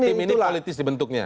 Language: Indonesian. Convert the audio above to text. tim ini politis dibentuknya